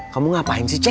kamu ngapain sih c a